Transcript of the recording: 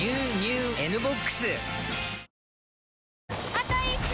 あと１周！